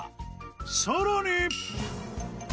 ［さらに］